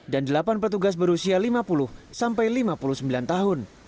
dan delapan petugas berusia lima puluh sampai lima puluh sembilan tahun